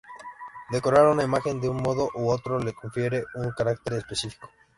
Decorar una imagen de un modo u otro le confiere un carácter específico.